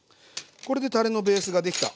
これでたれのベースが出来た。